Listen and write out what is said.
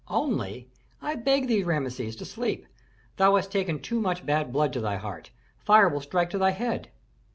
"Only? I beg thee, Rameses, to sleep. Thou hast taken too much bad blood to thy heart, fire will strike to thy head."